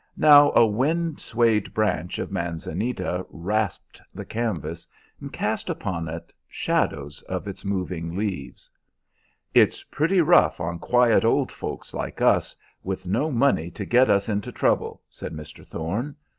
Now a wind swayed branch of manzanita rasped the canvas, and cast upon it shadows of its moving leaves. "It's pretty rough on quiet old folks like us, with no money to get us into trouble," said Mr. Thorne.